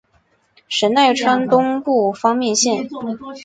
神奈川东部方面线。